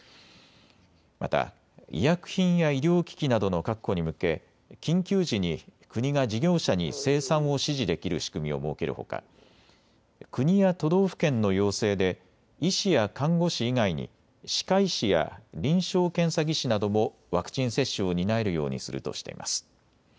また、医薬品や医療機器などの確保に向け緊急時に国が事業者に生産を指示できる仕組みを設けるほか国や都道府県の要請で医師や看護師以外に歯科医師や臨床検査技師などもワクチン接種を担えるようにするとしています。